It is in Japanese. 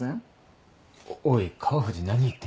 おい川藤何言ってんだよ。